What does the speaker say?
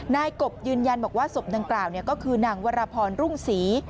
นายกบยืนยันบอกว่าศพดังกล่าวก็คือนางวรพรรุ่งศรี